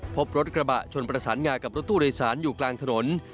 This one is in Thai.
พบรถกระบะชนประสานงากับรถตู้โดยสารอยู่กลางถนน